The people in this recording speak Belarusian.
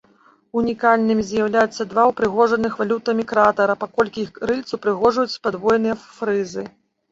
Унікальнымі з'яўляюцца два упрыгожаных валютамі кратара, паколькі іх рыльцы ўпрыгожваюць падвойныя фрызы.